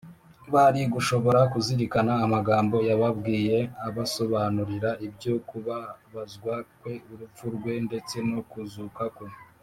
bari gushobora kuzirikana amagambo yababwiye abasobanurira ibyo kubabazwa kwe, urupfu rwe ndetse no kuzuka kwe